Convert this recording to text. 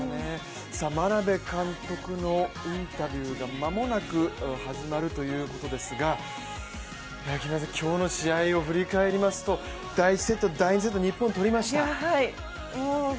眞鍋監督のインタビューが間もなく始まるということですが、今日の試合を振り返りますと第１セット、第２セット、日本取りました。